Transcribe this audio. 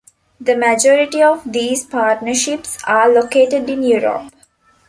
The majority of these partnerships are located in Europe.